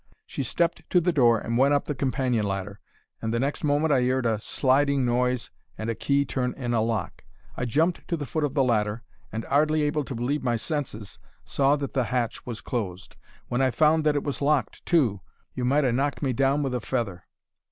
"She stepped to the door and went up the companion ladder, and the next moment I 'eard a sliding noise and a key turn in a lock. I jumped to the foot of the ladder and, 'ardly able to believe my senses, saw that the hatch was closed. When I found that it was locked too, you might ha' knocked me down with a feather.